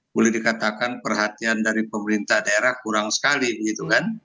boleh dikatakan perhatian dari pemerintah daerah kurang sekali begitu kan